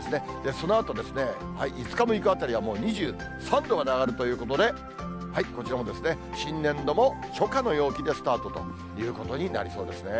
そのあと、５日、６日あたりはもう２３まで上がるということで、こちらも新年度も初夏の陽気でスタートということになりそうですね。